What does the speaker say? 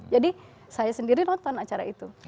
jadi saya sendiri nonton acara itu